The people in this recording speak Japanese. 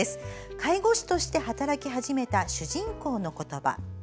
介護士として働き始めた主人公の言葉。